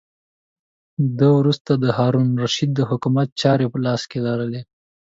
ده وروسته د هارون الرشید د حکومت چارې په لاس کې لرلې.